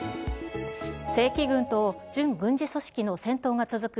正規軍と準軍事組織の戦闘が続く